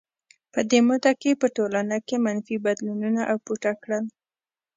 په دې موده کې په ټولنه کې منفي بدلونونو اپوټه کړل.